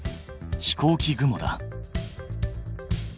飛行機雲だ。